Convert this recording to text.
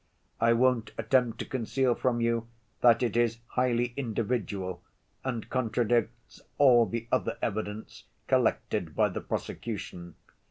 I won't attempt to conceal from you that it is highly individual and contradicts all the other evidence collected by the prosecution.